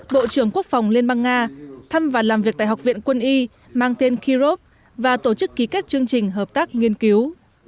bộ trưởng quốc phòng liên bang nga thăm và làm việc tại học viện quân y mang tên kirov và tổ chức ký kết chương trình hợp tác nghiên cứu